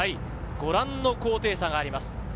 ご覧の高低差があります。